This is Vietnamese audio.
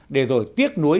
để rồi tiếc nuối